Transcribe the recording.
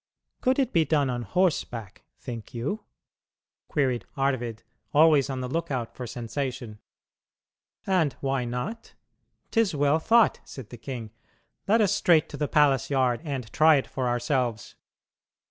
"Could it be done on horseback, think you?" queried Arvid, always on the lookout for sensation. "And why not? 'Tis well thought," said the king. "Let us straight to the palace yard and try it for ourselves."